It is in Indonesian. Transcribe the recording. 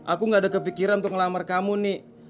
aku gak ada kepikiran untuk ngelamar kamu nih